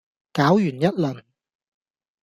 攪完一輪